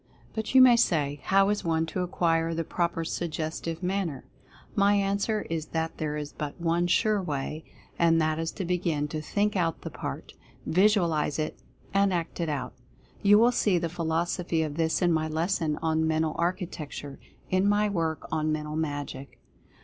But, you may say, how is one to acquire the proper Suggestive Manner? My answer is that there is but one sure way, and that is to begin to Think Out the Park; Visualize it; and Act it Out. You will see the philosophy of this in my lesson on "Mental Architec ture," in my work on "Mental Magic."